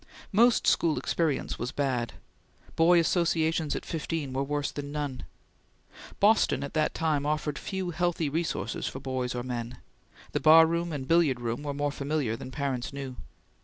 Most school experience was bad. Boy associations at fifteen were worse than none. Boston at that time offered few healthy resources for boys or men. The bar room and billiard room were more familiar than parents knew.